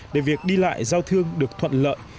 để việc đi lại giao thương được thuận lợi